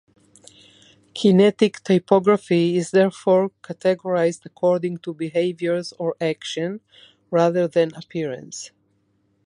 Kinetic typography is therefore categorised according to behaviours or action, rather than appearance.